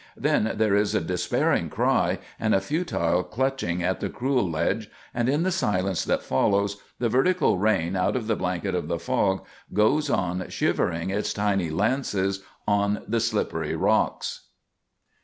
Then there is a despairing cry and a futile clutching at the cruel ledge, and, in the silence that follows, the vertical rain, out of the blanket of the fog, goes on shivering its tiny lances on the slippery rocks.